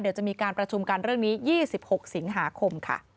เดี๋ยวจะมีการประชุมกันเรื่องนี้๒๖สิงหาคมค่ะ